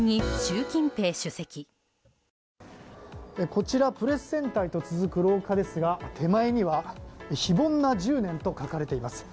こちらプレスセンターへと続く廊下ですが手前には非凡な１０年と書かれています。